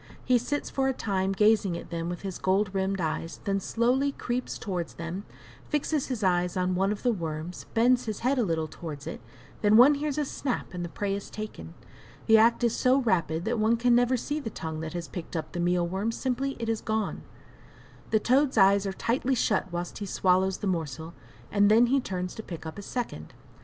He sits for a time gazing at them with his gold rimmed eyes; then slowly creeps towards them, fixes his eyes on one of the worms bends his head a little towards it, then one hears a snap and the prey is taken. The act is so rapid that one can never see the tongue that has picked up the meal worm simply it is gone! The toad's eyes are tightly shut whilst he swallows the morsel, and then he turns to pick up a second.